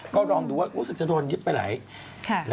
ก็ลองดูว่ารู้สึกจะโดนยึดไปไหน